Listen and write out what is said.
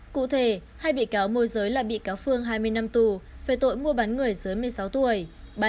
cụ thể hai bị cáo môi giới là bị cáo phương hai mươi năm tù về tội mua bán người dưới một mươi sáu tuổi